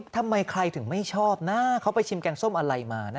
ทำไมใครถึงไม่ชอบนะเขาไปชิมแกงส้มอะไรมานะ